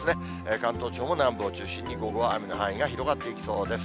関東地方も南部を中心に、午後は雨の範囲が広がっていきそうです。